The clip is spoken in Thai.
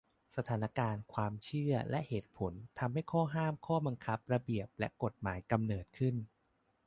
สถานการณ์ ความเชื่อ และเหตุผล ทำให้ข้อห้าม ข้อบังคับ ระเบียบ และกฎหมายกำเนิดขึ้น